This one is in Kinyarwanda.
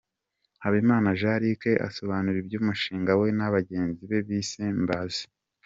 Habimana Jean Luc asobanura iby'umushinga we na bagenzi be bise 'Mbaza'.